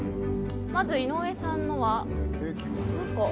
まず井上さんのは。